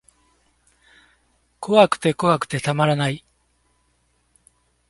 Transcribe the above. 怖くて怖くてたまらない